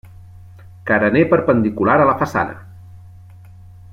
Carener perpendicular a la façana.